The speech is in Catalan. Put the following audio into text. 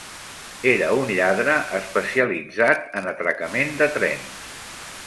Era un lladre especialitzat en atracament de trens.